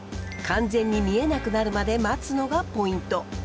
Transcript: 完全に見えなくなるまで待つのがポイント。